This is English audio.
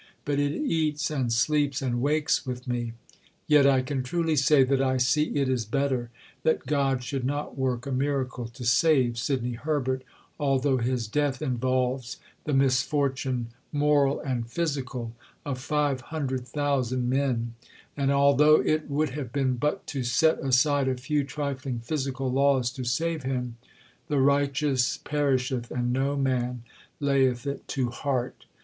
But it "eats" and sleeps and wakes with me. Yet I can truly say that I see it is better that God should not work a miracle to save Sidney Herbert, altho' his death involves the misfortune, moral and physical, of five hundred thousand men, and altho' it would have been but to set aside a few trifling physical laws to save him.... "The righteous perisheth and no man layeth it to heart."